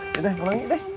yaudah pulangin deh